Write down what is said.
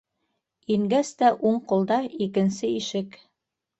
Ингәс тә уң ҡулда икенсе ишек.